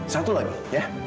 satu lagi ya